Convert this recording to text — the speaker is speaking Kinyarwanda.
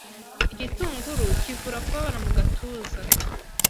Igitunguru kivura kubabara mu gatuza.